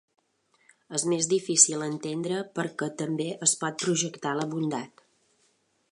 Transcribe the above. És més difícil entendre per què també es pot projectar la bondat.